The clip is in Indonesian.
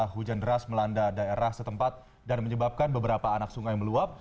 hujan deras melanda daerah setempat dan menyebabkan beberapa anak sungai meluap